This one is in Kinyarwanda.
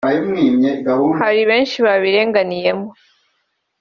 hari benshi babirenganiyemo